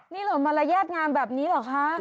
นี่เหรอมารยาทงามแบบนี้เหรอคะ